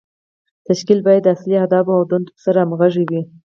تشکیل باید د اصلي اهدافو او دندو سره همغږی وي.